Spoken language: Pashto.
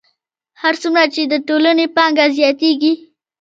هر څومره چې د ټولنې پانګه زیاتېږي